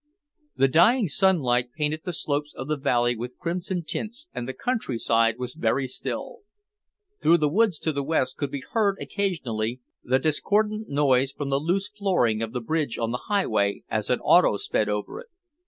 The dying sunlight painted the slopes of the valley with crimson tints and the countryside was very still. Through the woods to the west could be heard occasionally the discordant noise from the loose flooring of the bridge on the highway as an auto sped over it.